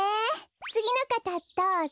つぎのかたどうぞ。